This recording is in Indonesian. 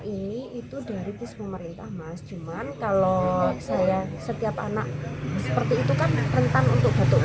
ini itu dari pus pemerintah mas cuman kalau saya setiap anak seperti itu kan rentan untuk batuk